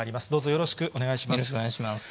よろしくお願いします。